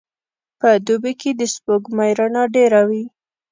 په دوبي کي د سپوږمۍ رڼا ډېره وي.